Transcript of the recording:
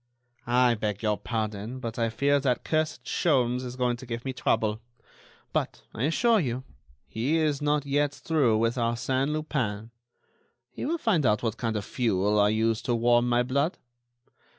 "I beg your pardon, but I fear that cursed Sholmes is going to give me trouble. But, I assure you, he is not yet through with Arsène Lupin. He will find out what kind of fuel I use to warm my blood.